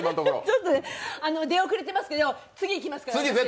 ちょっと出遅れてますけど、次いきますから。